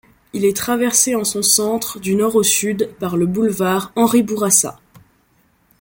Il est traversé en son centre, du nord au sud, par le boulevard Henri-Bourassa.